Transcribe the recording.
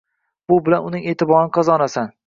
Bu bilan uning e’tiborini qozonasan.